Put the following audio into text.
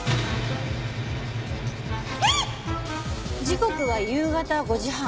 時刻は夕方５時半。